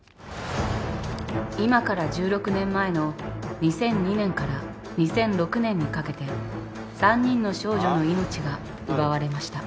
今から１６年前の２００２年から２００６年にかけて３人の少女の命が奪われました。